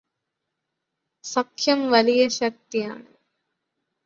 സഖ്യം വലിയ ശക്തിയാണ്.